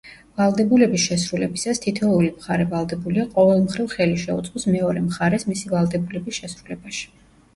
ვალდებულების შესრულებისას თითოეული მხარე ვალდებულია, ყოველმხრივ ხელი შეუწყოს მეორე მხარეს მისი ვალდებულების შესრულებაში.